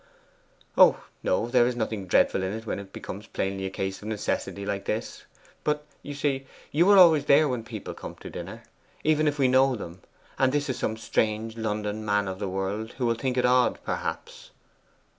'Oh no; there is nothing dreadful in it when it becomes plainly a case of necessity like this. But, you see, you are always there when people come to dinner, even if we know them; and this is some strange London man of the world, who will think it odd, perhaps.